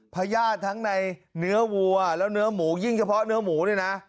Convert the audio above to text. พญาติทั้งในเนื้อวัวแล้วเนื้อหมูยิ่งเฉพาะเนื้อหมูเนี่ยนะ